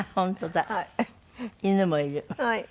犬もいる。